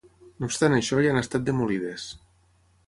No obstant això ja han estat demolides.